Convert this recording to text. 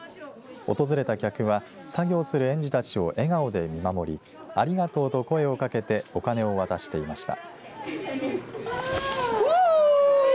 訪れた客は作業する園児たちを笑顔で見守りありがとうと声をかけてお金を渡していました。